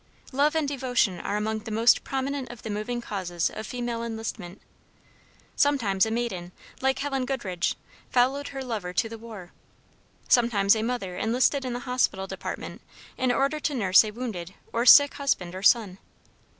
Love and devotion are among the most prominent of the moving causes of female enlistment. Sometimes a maiden, like Helen Goodridge, followed her lover to the war; sometimes a mother enlisted in the hospital department in order to nurse a wounded or sick husband or son.